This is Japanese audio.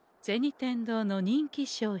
天堂の人気商品